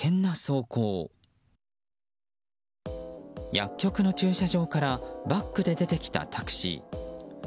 薬局の駐車場からバックで出てきたタクシー。